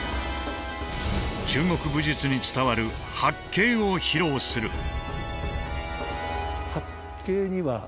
中国武術に伝わる「発勁」を披露する。